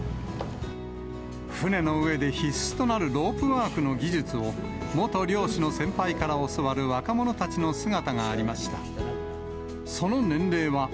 船の上で必須となるロープワークの技術を、元漁師の先輩から教わる若者たちの姿がありました。